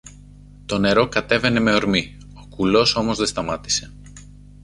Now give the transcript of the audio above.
Το νερό κατέβαινε με ορμή, ο κουλός όμως δε σταμάτησε.